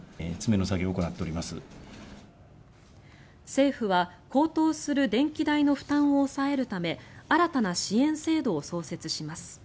政府は高騰する電気代の負担を抑えるため新たな支援制度を創設します。